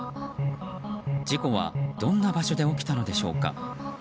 事故はどんな場所で起きたのでしょうか。